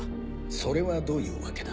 それはどういうわけだ？